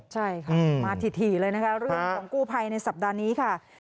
ใช่ค่ะมาถี่เลยนะคะเรื่องของกู้ภัยในสัปดาห์นี้ค่ะ